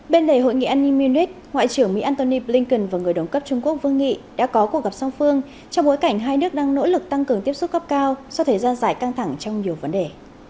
bên đề hội nghị an ninh munich ngoại trưởng mỹ antony blinken và người đồng cấp trung quốc vương nghị đã có cuộc gặp song phương trong bối cảnh hai nước đang nỗ lực tăng cường tiếp xúc cấp cao sau thời gian dài căng thẳng trong nhiều vấn đề